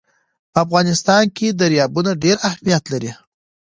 په افغانستان کې دریابونه ډېر اهمیت لري.